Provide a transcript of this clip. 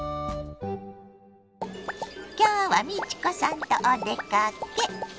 今日は美智子さんとお出かけ。